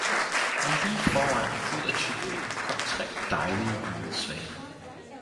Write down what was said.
og lige foran, ud af tykningen, kom tre dejlige, hvide svaner.